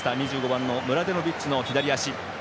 ２５番のムラデノビッチの左足。